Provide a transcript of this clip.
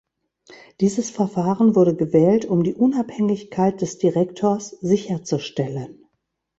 Dieses Verfahren wurde gewählt, um die Unabhängigkeit des Direktors sicherzustellen.